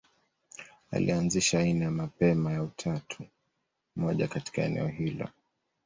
Ilianzisha aina ya mapema ya utatu mmoja katika eneo hilo.